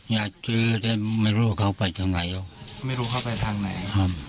อยากคือแต่ไม่รู้เค้าไปทางไหน